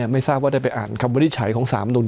ไม่ทราบว่าได้ไปอ่านคำวินิจฉัยของสามนุน